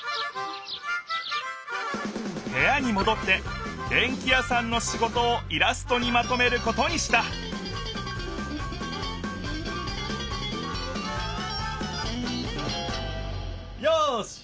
へやにもどってでんき屋さんの仕事をイラストにまとめることにしたよしできた！